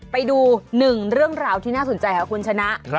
ไปดูหนึ่งเรื่องราวที่น่าสนใจค่ะคุณชนะ